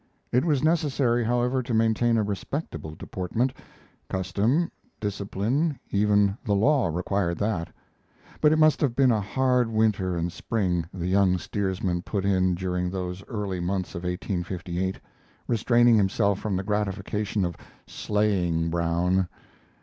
It was necessary, however, to maintain a respectable deportment custom, discipline, even the law, required that but it must have been a hard winter and spring the young steersman put in during those early months of 1858, restraining himself from the gratification of slaying Brown.